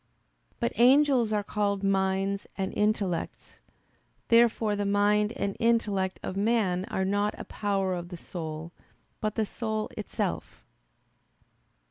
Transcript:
But angels are called "minds" and "intellects." Therefore the mind and intellect of man are not a power of the soul, but the soul itself.